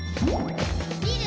「みる！